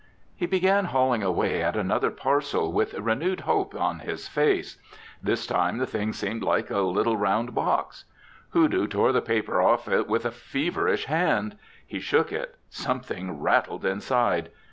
He began hauling away at another parcel with renewed hope on his face. This time the thing seemed like a little round box. Hoodoo tore the paper off it with a feverish hand. He shook it; something rattled inside.